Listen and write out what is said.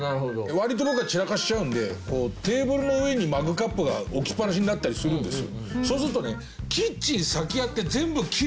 割と僕は散らかしちゃうんでテーブルの上にマグカップが置きっぱなしになったりするんですよ。